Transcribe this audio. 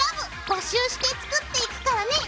募集して作っていくからね！